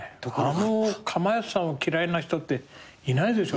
かまやつさんを嫌いな人っていないですよ。